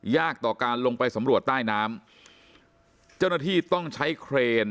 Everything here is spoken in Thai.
ต่อการลงไปสำรวจใต้น้ำเจ้าหน้าที่ต้องใช้เครน